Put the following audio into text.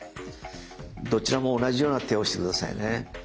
どちらも同じような手をして下さいね。